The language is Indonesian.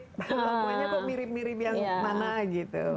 pokoknya kok mirip mirip yang mana gitu